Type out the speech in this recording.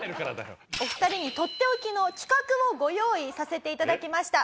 お二人にとっておきの企画をご用意させていただきました。